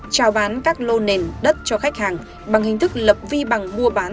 trào bán các lô nền đất cho khách hàng bằng hình thức lập vi bằng mua bán